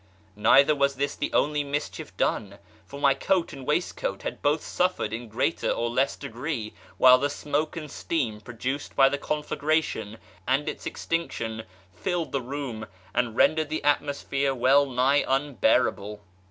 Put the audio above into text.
Neither was this tlie only nn'schief done, for my coat and waistcoat had Loth sullered in greater or less degree, while the smoke and steam produced by the conflagration and its extinction idled the room, and rendered the atmosphere well nigh unbearable.